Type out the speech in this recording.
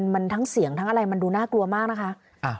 มันทั้งเสียงทั้งอะไรมันดูน่ากลัวมากนะคะ